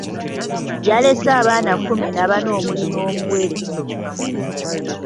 Yalese abaana kkumi na bana omuli n’omuwere.